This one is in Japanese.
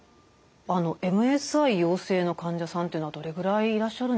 あのＭＳＩ陽性の患者さんっていうのはどれぐらいいらっしゃるんでしょうか？